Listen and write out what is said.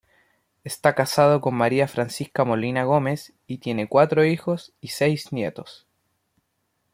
Está casado con María Francisca Molina Gómez y tiene cuatro hijos y seis nietos.